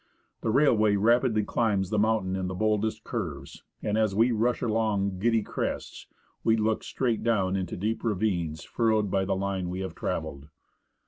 The railway rapidly climbs the mountain in the boldest curves, and as we rush along giddy crests we look straight down into deep ravines furrowed by the line we have travelled.